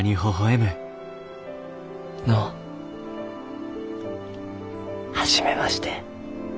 のう初めまして。